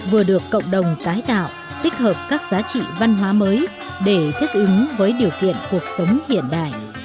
vừa được cộng đồng tái tạo tích hợp các giá trị văn hóa mới để thích ứng với điều kiện cuộc sống hiện đại